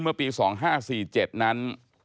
เมื่อปี๒๕๔๗นั้น